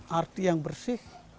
hati yang bersih